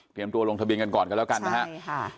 พรีมตัวลงทะเบียงกันก่อนกันแล้วกันนะครับ